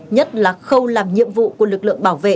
nhất là khâu làm nhiệm vụ của lực lượng bảo vệ